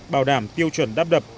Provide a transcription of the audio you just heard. bảo đảm tiêu chuẩn đắp đập